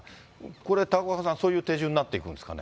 これ、高岡さん、そういう手順になっていくんですかね。